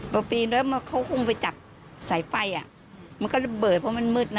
พอปีนแล้วเขาคงไปจับสายไฟอ่ะมันก็ระเบิดเพราะมันมืดนะ